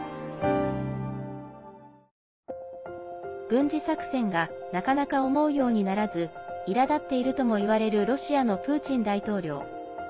軍事作戦がなかなか思うようにならずいらだっているともいわれるロシアのプーチン大統領。